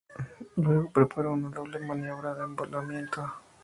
Luego preparó una doble maniobra de envolvimiento.